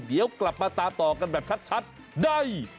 เดี๋ยวกลับมาตามต่อกันแบบชัดได้